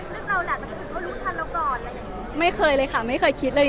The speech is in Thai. เพราะว่าหลายคนสงสัยว่ามันเป็นเจษนาลึกเราแหละแต่ก็รู้ทันแล้วก่อน